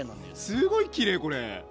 すごいきれいこれ。